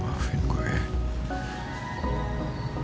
pasien di dalam